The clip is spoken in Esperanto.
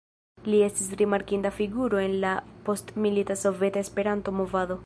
Li estis rimarkinda figuro en la postmilita soveta Esperanto-movado.